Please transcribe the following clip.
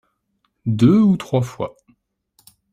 deux ou trois fois.